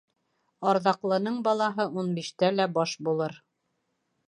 Арҙаҡлының балаһы ун биштә лә баш булыр